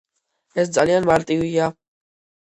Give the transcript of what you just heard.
ეს ძალიან მარტივია.